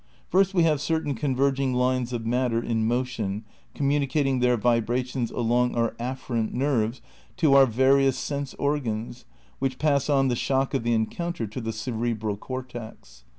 First we have certain converging lines of niatter in motion communicating their vibrations along our afferent nerves, to our various sense organs, which pass on the shock of the encounter to the cerebral cortex.